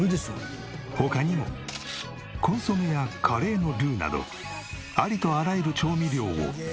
他にもコンソメやカレーのルーなどありとあらゆる調味料を手作り。